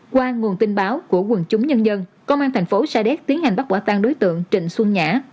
qua nguồn tin báo của quần chúng nhân dân công an thành phố sa đéc tiến hành bắt quả tang đối tượng trịnh xuân nhã